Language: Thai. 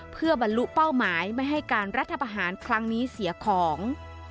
เพื่อบรรลุเป้าหมายไม่ให้การรัฐประหารครั้งนี้เสียของ